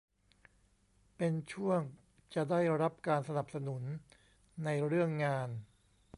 เป็นช่วงจะได้รับการสนับสนุนในเรื่องงาน